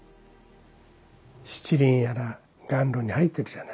七輪やら暖炉に入ってるじゃないですか。